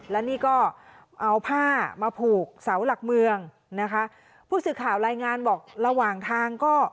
และนี่ก็เอาผ้ามาผูกเสาหลักเมืองนะคะผู้สื่อข่าวรายงานบอกระหว่างทางก็